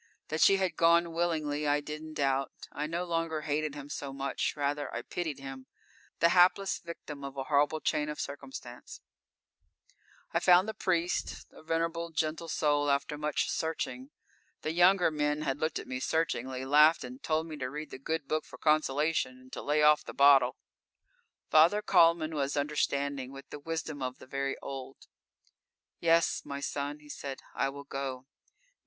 That she had gone willingly I didn't doubt. I no longer hated him so much; rather I pitied him, the hapless victim of a horrible chain of circumstance. I found the priest, a venerable, gentle soul, after much searching. The younger men had looked at me searchingly, laughed and told me to read the Good Book for consolation, and to lay off the bottle. Father Kalman was understanding, with the wisdom of the very old. "Yes, my son," he said, "I will go.